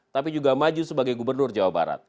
tapi juga maju sebagai gubernur jawa barat